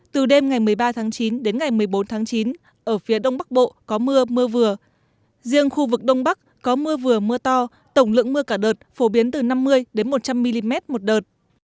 từ đêm ngày một mươi ba tháng chín đến ngày một mươi bốn tháng chín ở phía đông bắc bộ có mưa mưa vừa riêng khu vực đông bắc có mưa vừa mưa to tổng lượng mưa cả đợt phổ biến từ năm mươi một trăm linh mm một đợt